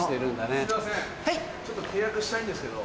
すいませんちょっと契約したいんですけど。